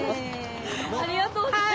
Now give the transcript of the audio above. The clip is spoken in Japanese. ありがとうございます。